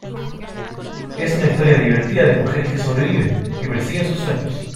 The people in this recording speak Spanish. Es una historia divertida de mujeres que sobreviven, que persiguen sus sueños.